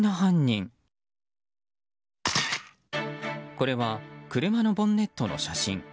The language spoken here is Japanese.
これは車のボンネットの写真。